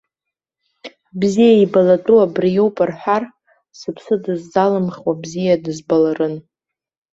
Бзиа ибалатәу абри иоуп рҳәар, сыԥсы дысзалымхуа, бзиа дызбаларын.